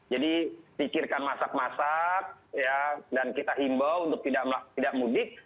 jadi pikirkan masak masak ya dan kita himbau untuk tidak mudik